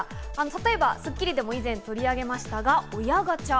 例えば『スッキリ』でも以前取り上げましたが、親ガチャ。